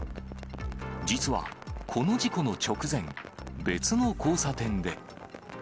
実は、この事故の直前、別の交差点で。